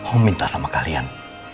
om minta sama kalian